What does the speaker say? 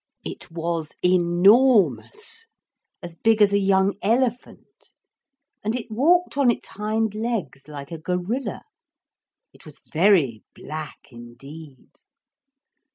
It was enormous, as big as a young elephant, and it walked on its hind legs like a gorilla. It was very black indeed.